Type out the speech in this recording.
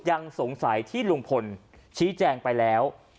ยังสงสัยที่ลุงพลชี้แจงไปแล้ว